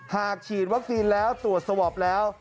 ฉีดวัคซีนแล้วตรวจสวอปแล้ว